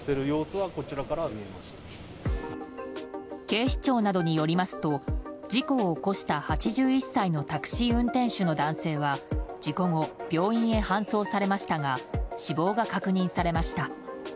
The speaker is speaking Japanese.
警視庁などによりますと事故を起こした８１歳のタクシー運転手の男性は事故後、病院へ搬送されましたが死亡が確認されました。